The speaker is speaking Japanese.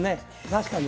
確かに。